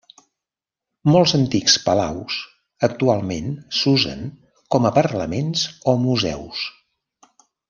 Molts antics palaus actualment s'usen com a parlaments o museus.